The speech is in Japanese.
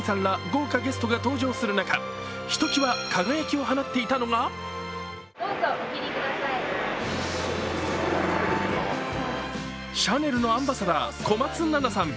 豪華ゲストが登場する中、ひときわ輝きを放っていたのがシャネルのアンバサダー小松菜奈さん。